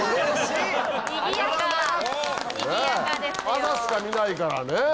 朝しか見ないからね。